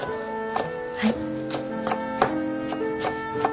はい。